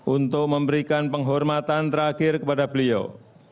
untuk memberikan penghormatan terakhir kepada beliau